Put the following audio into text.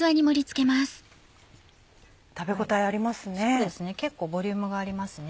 食べ応えありますね。